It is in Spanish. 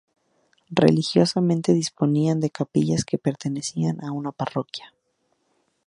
Religiosamente disponían de capillas que pertenecían a una parroquia.